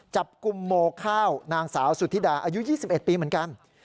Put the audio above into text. จับกลุ่มโมข้าวนางสาวสุธิดาอายุ๒๑ปีเหมือนกัน